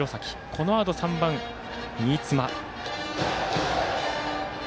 このあと３番、新妻。